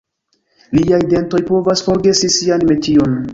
Liaj dentoj povas forgesi sian metion.